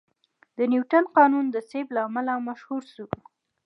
د نیوتن قانون د سیب له امله مشهور شو.